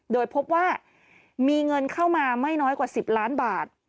โดยพบว่ามีเงินเข้ามาไม่น้อยกว่า๑๐ล้านบาท